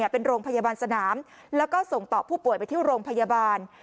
เป็นโรงพยาบาลสนามแล้วก็ส่งต่อผู้ป่วยไปที่โรงพยาบาล